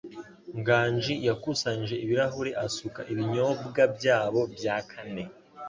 Nganji yakusanyije ibirahure asuka ibinyobwa byabo bya kane.